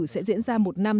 sẽ diễn ra một năm